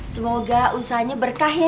semoga usahanya berkah ya